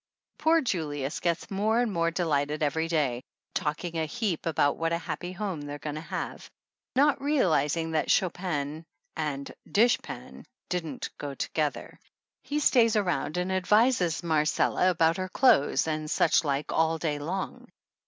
Poor Julius gets more and more delighted every day, talking a heap about what a happy home they're going to have, not realizing that Chopin and dish pan don't go together. He stays around and advises Marcella about her clothes and such like all day long.